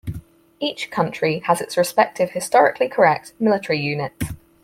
Each country has its respective historically correct military units.